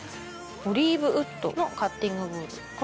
オリーブウッドのカッティングボード。